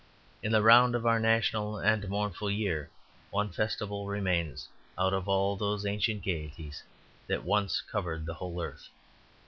In the round of our rational and mournful year one festival remains out of all those ancient gaieties that once covered the whole earth.